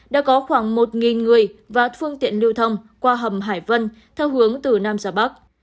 đã có khoảng một người và phương tiện lưu thông qua hầm hải vân theo hướng từ nam ra bắc